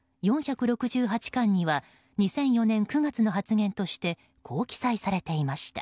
４６８巻には２００４年９月の発言としてこう記載されていました。